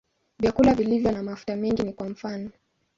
Vyakula vilivyo na mafuta mengi ni kwa mfano.